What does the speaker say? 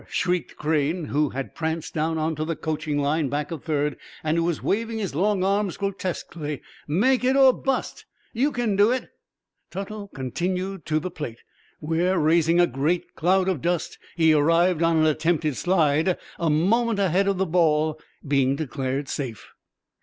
shrieked Crane, who had pranced down onto the coaching line back of third, and who was waving his long arms grotesquely. "Make it or bust! You kin do it!" Tuttle continued to the plate, where, raising a great cloud of dust, he arrived on an attempted slide, a moment ahead of the ball, being declared safe.